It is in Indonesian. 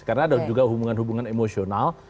karena ada juga hubungan hubungan emosional